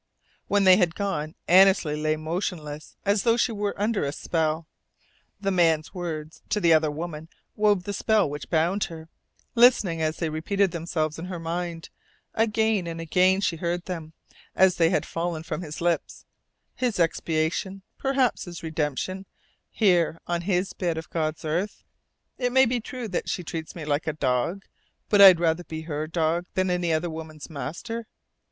When they had gone Annesley lay motionless, as though she were under a spell. The man's words to the other woman wove the spell which bound her, listening as they repeated themselves in her mind. Again and again she heard them, as they had fallen from his lips. His expiation perhaps his redemption here on his bit of "God's earth" ... "It may be true that she treats me like a dog.... But I'd rather be her dog than any other woman's master...."